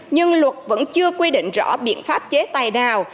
nhưng luật vẫn chưa quy định rõ biện pháp chế tài nào